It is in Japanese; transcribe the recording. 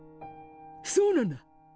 そうなんだ！